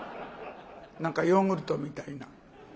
何かヨーグルトみたいな。